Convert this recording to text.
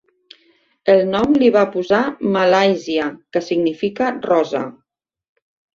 El nom l'hi va posar Malàisia, que significa rosa.